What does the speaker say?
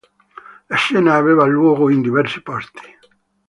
La cena aveva luogo in diversi posti.